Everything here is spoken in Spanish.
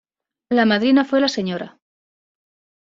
La madrina fue la Sra.